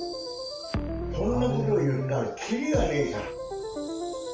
そんなこと言ったら切りがねぇから。